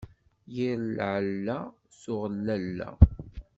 Yir lɛella tuɣ lalla.